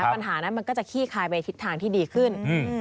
ปัญหานั้นมันก็จะขี้คายไปทิศทางที่ดีขึ้น